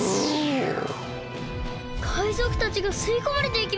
海賊たちがすいこまれていきます！